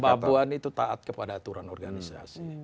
mbak puan itu taat kepada aturan organisasi